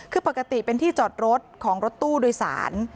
คือปกติเป็นที่จอดรถของรถตู้โดยสาร